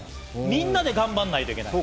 みんなで頑張らないといけない。